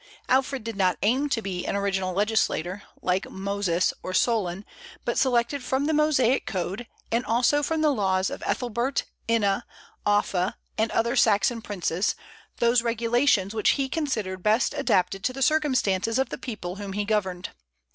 Alfred did not aim to be an original legislator, like Moses or Solon, but selected from the Mosaic code, and also from the laws of Ethelbert, Ina, Offa, and other Saxon princes, those regulations which he considered best adapted to the circumstances of the people whom he governed.